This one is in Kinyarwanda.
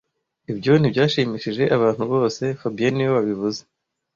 Ibyo ntibyashimishije abantu bose fabien niwe wabivuze